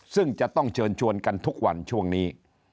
ซึ่งจะต้องเชิญชวนกันทุกวันช่วงนี้